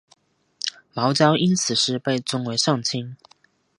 茅焦因此事被尊为上卿。